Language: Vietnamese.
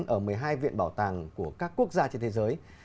ở một mươi hai viện bảo tàng của các quốc gia trên thế giới